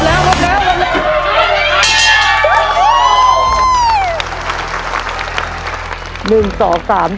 เร็วเร็ว